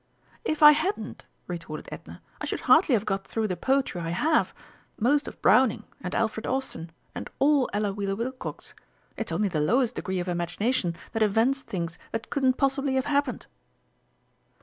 "If I hadn't," retorted Edna, "I should hardly have got through the Poetry I have. Most of Browning and Alfred Austin, and all Ella Wheeler Wilcox! It's only the lowest degree of imagination that invents things that couldn't possibly have happened!"